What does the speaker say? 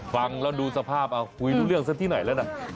ฟังแล้วดูสภาพอ่ะคุยดูเรื่องเสร็จที่ไหนแล้วน่ะ